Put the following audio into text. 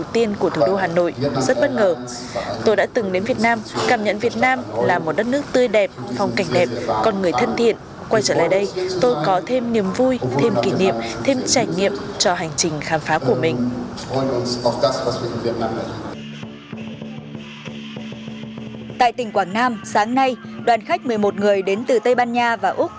tại tỉnh quảng nam sáng nay đoàn khách một mươi một người đến từ tây ban nha và úc